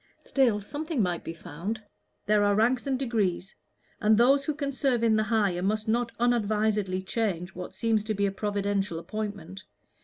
Still, something might be found. There are ranks and degrees and those who can serve in the higher must not unadvisedly change what seems to be a providential appointment.